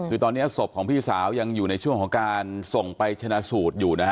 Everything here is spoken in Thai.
คือตอนนี้ศพของพี่สาวยังอยู่ในช่วงของการส่งไปชนะสูตรอยู่นะฮะ